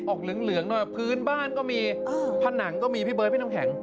เหลืองหน่อยพื้นบ้านก็มีผนังก็มีพี่เบิร์ดพี่น้ำแข็ง